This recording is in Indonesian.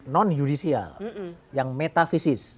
non judicial yang metafisis